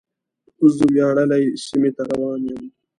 زه وياړلې سیمې ته روان یم.